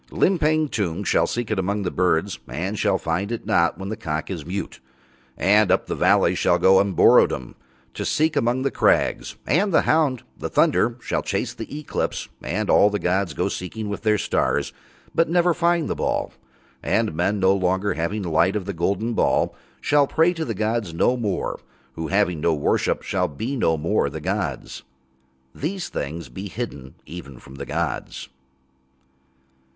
Limpang Tung shall seek among the birds and shall not find it when the cock is mute, and up the valleys shall go Umborodom to seek among the crags. And the hound, the thunder, shall chase the Eclipse and all the gods go seeking with Their stars, but never find the ball. And men, no longer having light of the golden ball, shall pray to the gods no more, who, having no worship, shall be no more the gods. These things be hidden even from the gods.